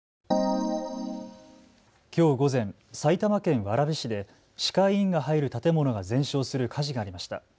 きょう午前、埼玉県蕨市で歯科医院が入る建物が全焼する火事がありました。